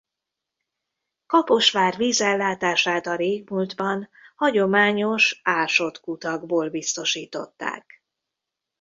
Kaposvár vízellátását a régmúltban hagyományos ásott kutakból biztosították.